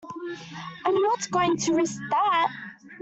I'm not going to risk that!